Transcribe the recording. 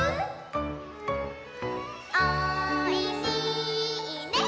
「おいしいね！」